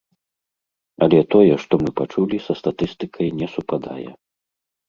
Але тое, што мы пачулі са статыстыкай не супадае.